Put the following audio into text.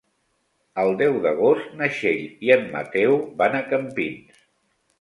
El deu d'agost na Txell i en Mateu van a Campins.